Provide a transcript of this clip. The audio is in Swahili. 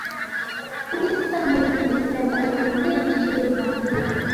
tisa mwezi Desemba elfu mbili na ishirini na moja